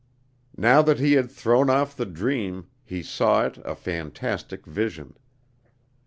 Now that he had thrown off the dream, he saw it a fantastic vision.